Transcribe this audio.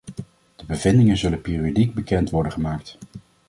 De bevindingen zullen periodiek bekend worden gemaakt.